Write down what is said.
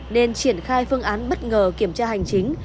nên triển khai phương án bất ngờ kiểm tra hành chính